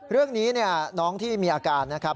เรื่องนี้น้องที่มีอาการนะครับ